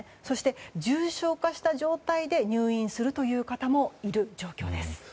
そして重症化した状態で入院するという方もいる状況です。